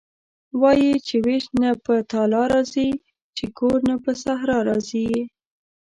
وايي چې وېش نه په تالا راضي یې کور نه په صحرا راضي یې..